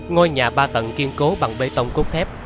ngôi nhà ba tầng kiên cố bằng bê tông cốt thép